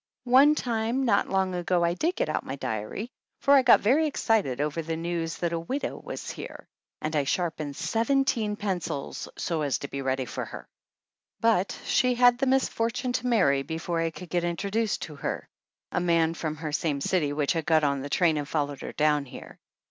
One time not long ago I did get out my diary, for I got very excited over the news that a widow was here, and I sharpened seventeen pen cils so as to be ready for her. But she had the 163 THE ANNALS OF ANN misfortune to marry, before I could get intro duced to her, a man from her same city which had got on the train and followed her down here.